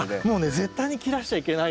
絶対に切らしちゃいけない。